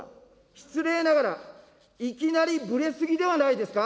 失礼ながら、いきなりぶれすぎではないですか。